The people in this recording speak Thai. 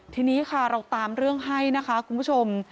ทีนี้ค่ะเราตามเรื่องให้นะคะคุณผู้ชม